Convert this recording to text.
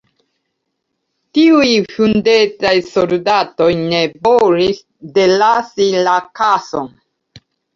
Tiuj hundecaj soldatoj ne volis delasi la kason.